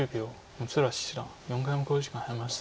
六浦七段４回目の考慮時間に入りました。